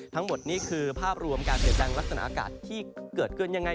ทั้งหมดนี้คือภาพรวมการเปลี่ยนแปลงลักษณะอากาศที่เกิดขึ้นยังไง